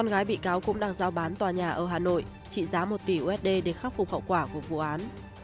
năm gái bị cáo cũng đang giao bán tòa nhà ở hà nội trị giá một tỷ usd để khắc phục hậu quả của vụ án